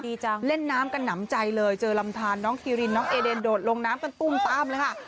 เล่นน้ำกันหนำใจเลยเจอลำทานน้องซีรินน้องเอเดนโดดลงน้ำกันตุ้มตามเลยค่ะ